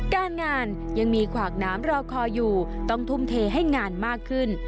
การงานยังมีขวากน้ำรอคออยู่ต้องทุ่มเทให้งานมากขึ้น